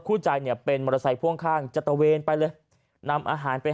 คู่ใจเนี่ยเป็นมอเตอร์ไซค์พ่วงข้างจะตะเวนไปเลยนำอาหารไป